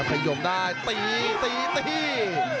พยมได้ตีตีตี